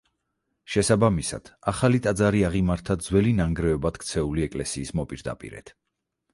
შესაბამისად ახალი ტაძარი აღიმართა ძველი ნანგრევებად ქცეული ეკლესიის მოპირდაპირედ.